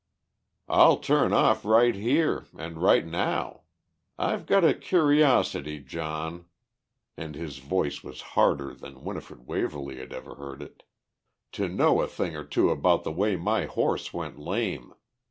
"I'll turn off right here, and right now. I've got a curiosity, John," and his voice was harder than Winifred Waverly had ever heard it, "to know a thing or two about the way my horse went lame.